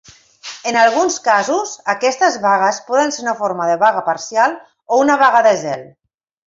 En alguns casos, aquestes vagues poden ser una forma de "vaga parcial" o una "vaga de zel".